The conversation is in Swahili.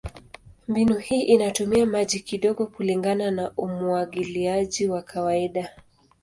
Mbinu hii inatumia maji kidogo kulingana na umwagiliaji wa kawaida.